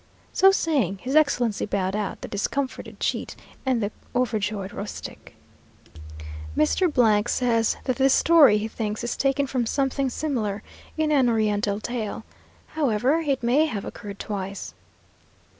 So saying, his Excellency bowed out the discomfited cheat and the overjoyed rustic. Mr. says that this story, he thinks, is taken from something similar in an oriental tale. However, it may have occurred twice.